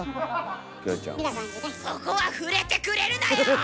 そこは触れてくれるなよ！